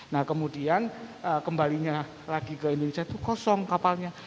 nah kemudian kembalinya lagi ke indonesia itu kosong kapalnya